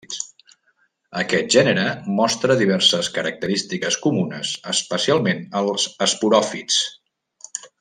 Aquest gènere mostra diverses característiques comunes especialment als esporòfits.